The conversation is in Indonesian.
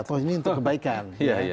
toh ini untuk kebaikan